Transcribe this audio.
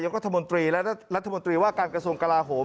ยกรัฐมนตรีว่ากราศกระทรวงกลาหม